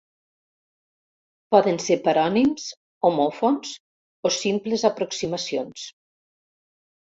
Poden ser parònims, homòfons o simples aproximacions.